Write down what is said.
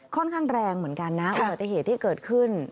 ค่อนข้างแรงเหมือนกันนะอุบัติเหตุที่เกิดขึ้น